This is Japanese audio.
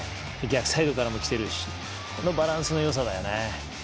逆サイドからも来てるしこのバランスのよさだよね。